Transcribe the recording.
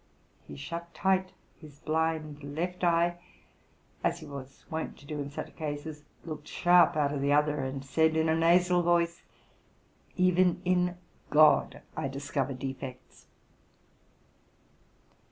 He shut tight his blind left eye, as he was wont to do in such cases, looked sharp out of the other, and said in a nasal voice, *' Even in God I discover defects."